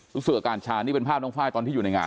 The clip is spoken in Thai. รู้สึกอาการชานี่เป็นภาพน้องไฟล์ตอนที่อยู่ในงาน